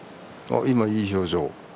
今いい表情。